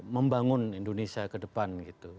membangun indonesia kedepan